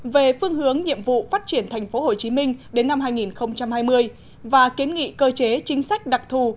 về phương hướng nhiệm vụ phát triển tp hcm đến năm hai nghìn hai mươi và kiến nghị cơ chế chính sách đặc thù